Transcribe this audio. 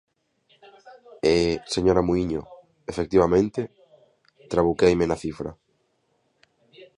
E, señora Muíño, efectivamente, trabuqueime na cifra.